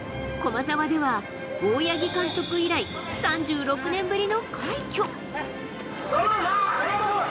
駒澤では、大八木監督以来３６年ぶりの快挙。